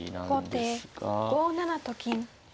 後手５七と金。